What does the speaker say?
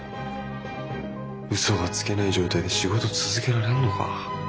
嘘がつけない状態で仕事続けられんのか？